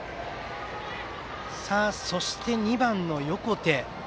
そして２番の横手。